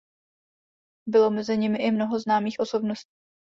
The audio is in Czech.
Bylo mezi nimi i mnoho známých osobností.